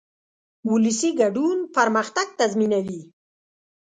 ولسي ګډون پرمختګ تضمینوي.